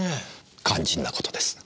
肝心な事です。